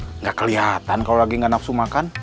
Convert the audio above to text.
tidak kelihatan kalau lagi nggak nafsu makan